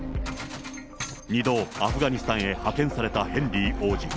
２度、アフガニスタンへ派遣されたヘンリー王子。